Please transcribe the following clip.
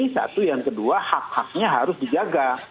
satu yang kedua hak haknya harus dijaga